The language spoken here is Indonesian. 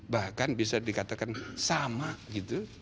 bahkan bisa dikatakan sama gitu